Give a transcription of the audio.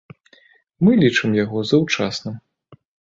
Мы лічым яго заўчасным.